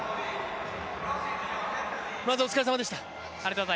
お疲れさまでした。